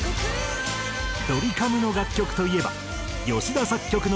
ドリカムの楽曲といえば吉田作曲の作品と。